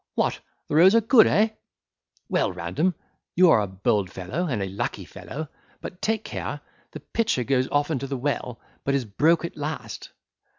what, the roads are good, eh? Well, Random, you are a bold fellow, and a lucky fellow! but take care, the pitcher goes often to the well, but is broke at last."